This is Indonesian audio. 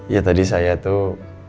ya tadi saya tuh